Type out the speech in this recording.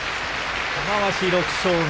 玉鷲６勝目。